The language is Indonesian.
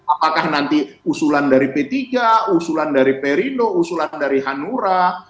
apakah nanti usulan dari p tiga usulan dari perindo usulan dari hanura